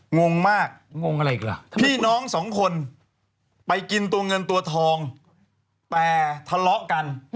งงมากพี่น้องสองคนไปกินตัวเงินตัวทองแต่ทะเลาะกัน